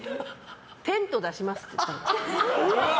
テント出しますって言ったの。